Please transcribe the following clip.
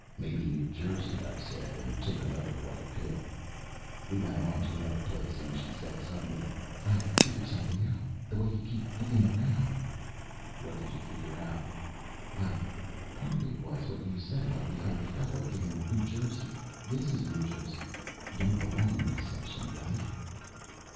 "Maybe New Jersey," I said, and took another white pill. We went on to another place and she said suddenly, "I figured something out. The way you keep looking around." "What did you figure out?" "Well, part of it was what you said about the other fellow getting New Jersey. This is New Jersey. You don't belong in this section, right?"